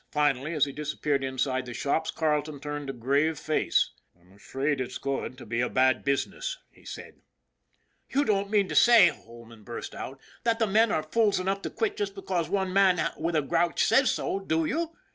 Finally, as he disappeared inside the shops, Carleton turned with a grave face. " I'm afraid it's going to be a bad business," he said. " You don't mean to say," Holman burst out, " that the men are fools enough to quit just because one man with a grouch says so, do you